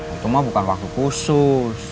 itu mah bukan waktu khusus